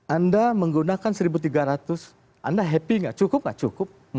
anda menggunakan seribu tiga ratus anda happy nggak cukup nggak cukup